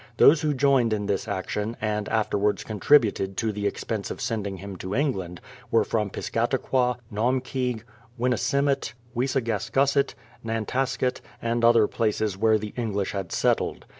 Those who joined in this action, and afterwards contributed to the expense of sending him to England, were from Piscataqua, Naum keag, Winnisimmett, Weesagascusett, Nantasket, and other places where the English had settled.